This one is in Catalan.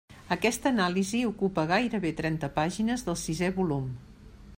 Aquesta anàlisi ocupa gairebé trenta pàgines del sisè volum.